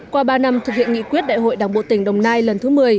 qua ba năm thực hiện nghị quyết đại hội đảng bộ tỉnh đồng nai lần thứ một mươi